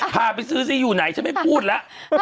พาไปซื้อซิอยู่ไหนฉันไม่พูดแล้ว